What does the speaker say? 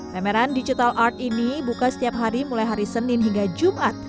pameran digital art ini buka setiap hari mulai hari senin hingga jumat